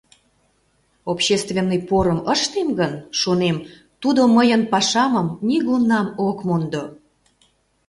Общественный порым ыштем гын, шонем, тудо мыйын пашамым нигунам ок мондо.